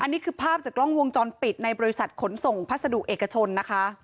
นี่คือภาพจากกล้องวงจรปิดในบริษัทขนส่งพัสดุเอกชนนะคะ